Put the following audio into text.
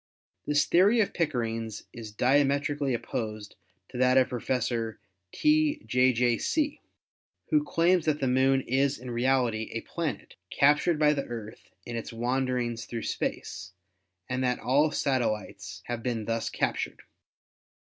This theory of Pickering's is diametrically op posed to that of Professor T. J. J. See, who claims that the Moon is in reality a planet, captured by the Earth in its wanderings through space, and that all satellites have been thus captured.